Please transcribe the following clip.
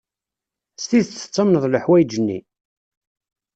S tidet tettamneḍ leḥwayeǧ-nni?